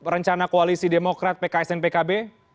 rencana koalisi demokrat pks dan pkb